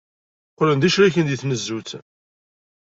Qqlen d icriken deg tnezzut.